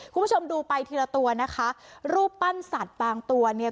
คุณผู้ชมดูไปทีละตัวนะคะรูปปั้นสัตว์บางตัวเนี่ย